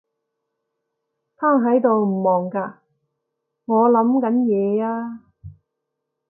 癱喺度唔忙㗎？我諗緊嘢呀